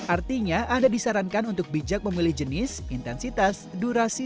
artinya anda disarankan untuk bijak memilih jenis intensitas durasi